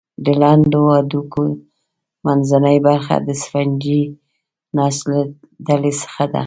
د لنډو هډوکو منځنۍ برخه د سفنجي نسج له ډلې څخه ده.